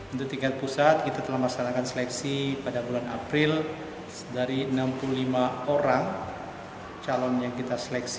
untuk tingkat pusat kita telah melaksanakan seleksi pada bulan april dari enam puluh lima orang calon yang kita seleksi